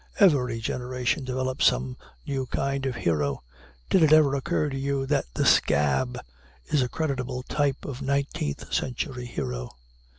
Every generation develops some new kind of hero. Did it ever occur to you that the "scab" is a creditable type of nineteenth century hero?